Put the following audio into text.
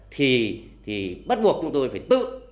thì bắt buộc chúng tôi phải tự